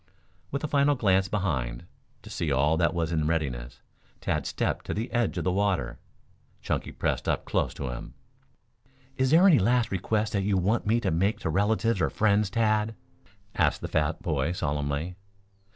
With a final glance behind, to see that all was in readiness, Tad stepped to the edge of the water. Chunky pressed up close to him. "Is there any last request that you want me to make to relatives or friends, Tad?" asked the fat boy solemnly.